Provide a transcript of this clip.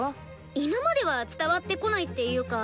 今までは伝わってこないっていうか。